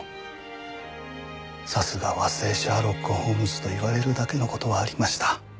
さすが和製シャーロック・ホームズと言われるだけの事はありました。